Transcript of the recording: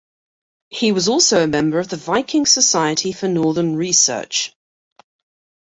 He was also a member of the Viking Society for Northern Research.